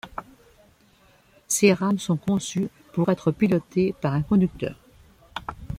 Ces rames sont conçues pour être pilotées par un conducteur.